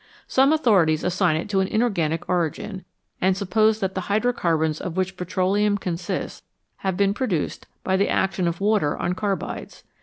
Some authorities assign to it an inorganic origin, and suppose that the hydrocarbons of which petroleum con sists have been produced by the action of water on carbides.